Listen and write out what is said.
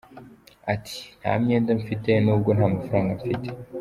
Ati :« Nta myenda mfite n’ubwo nta mafaranga mfite.